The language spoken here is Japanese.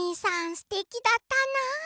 すてきだったな。